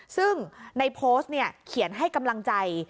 ซึ่งในโพสต์เขียนให้กำลังใจ